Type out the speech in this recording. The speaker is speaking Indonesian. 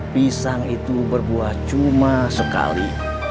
pisang itu berbuah cuma sekali